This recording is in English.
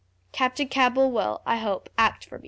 "Captain Campbell will, I hope, act for me?"